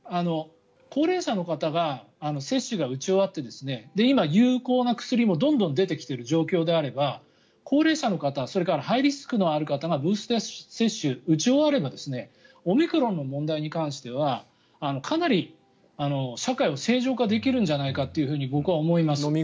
高齢者の方が接種が打ち終わって今、有効な薬もどんどん出てきている状況であれば高齢者の方それからハイリスクのある方がブースター接種、打ち終わればオミクロンの問題に関してはかなり社会を正常化できるんじゃないかと僕は思います。